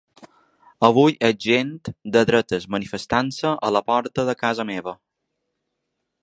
Avui és gent de dretes manifestant-se a la porta de casa meva.